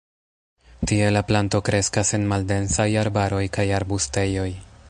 Tie la planto kreskas en maldensaj arbaroj kaj arbustejoj.